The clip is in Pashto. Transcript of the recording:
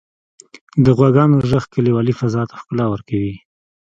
• د غواګانو ږغ کلیوالي فضا ته ښکلا ورکوي.